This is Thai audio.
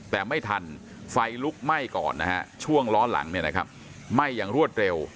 แต่ไม่ทันไฟลุกไหม้ก่อนช่วงร้อนหลังไหม้อย่างรวดเร็ว